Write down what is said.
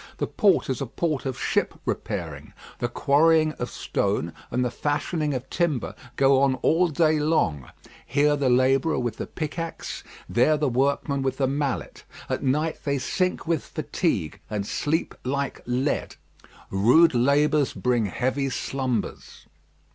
The port is a port of ship repairing. The quarrying of stone and the fashioning of timber go on all day long; here the labourer with the pickaxe, there the workman with the mallet. At night they sink with fatigue, and sleep like lead. Rude labours bring heavy slumbers.